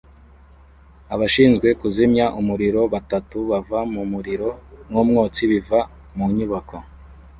Abashinzwe kuzimya umuriro batatu bava mu muriro n'umwotsi biva mu nyubako